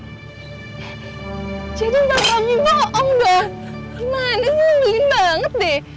baru saja ngegembalin rumuh jadi mbak kami bohong bang gimana sih ngambilin banget deh